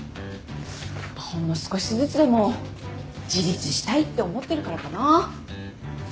ほんの少しずつでも自立したいって思ってるからかな。